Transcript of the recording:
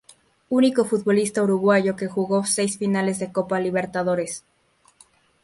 Único futbolista uruguayo que jugó seis finales de Copa Libertadores.